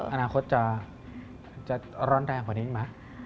อนาคตจะร้อนแรงกว่านี้อีกไหม